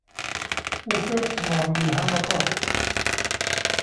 Ufiɣ ttmeṛ yelha aṭas.